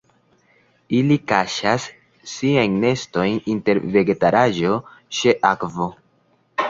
Ili kaŝas siajn nestojn inter vegetaĵaro ĉe akvo.